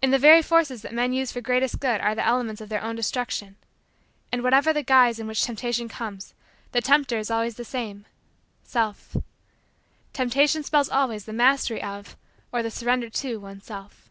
In the very forces that men use for greatest good are the elements of their own destruction. And, whatever the guise in which Temptation comes, the tempter is always the same Self. Temptation spells always the mastery of or the surrender to one's self.